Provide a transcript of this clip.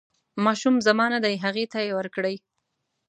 ماشوم زما نه دی هغې ته یې ورکړئ.